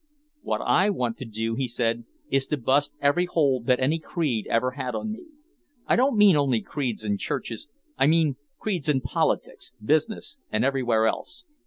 "What I want to do," he said, "is to bust every hold that any creed ever had on me. I don't mean only creeds in churches, I mean creeds in politics, business and everywhere else.